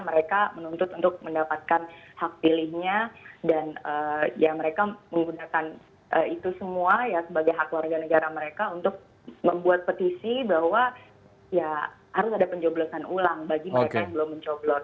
mereka menuntut untuk mendapatkan hak pilihnya dan ya mereka menggunakan itu semua ya sebagai hak warga negara mereka untuk membuat petisi bahwa ya harus ada pencoblosan ulang bagi mereka yang belum mencoblos